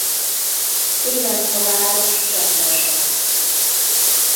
Télen a város csendesebb.